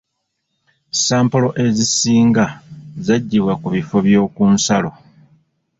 Sampolo ezisinga zaggyibwa ku bifo by'oku nsalo.